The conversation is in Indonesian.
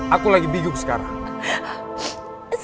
aku lagi biguk sekarang